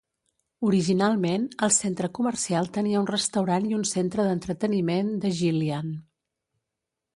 Originalment, el centre comercial tenia un restaurant i un centre d'entreteniment de Jillian.